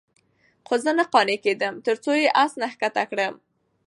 خو زه نه قانع کېدم. ترڅو یې له آس نه ښکته کړم،